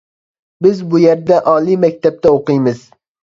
بىز بۇ يەردە ئالىي مەكتەپتە ئوقۇيمىز!